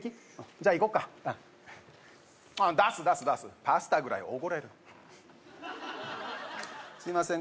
じゃ行こっかああ出す出す出すパスタぐらいおごれるすいません